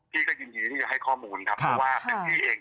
ก็ยินดีที่จะให้ข้อมูลครับเพราะว่าเป็นพี่เอง